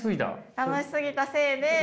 楽しすぎたせいで。